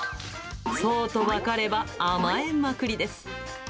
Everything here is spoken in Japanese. そうと分かれば、甘えまくりです。